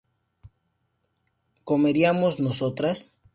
¿comeríamos nosotras?